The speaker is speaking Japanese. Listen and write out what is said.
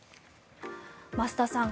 増田さん